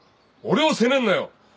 俺を責めんなよ。